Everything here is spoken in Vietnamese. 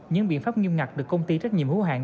những biện pháp nghiêm ngặt được công ty trách nhiệm hữu hạng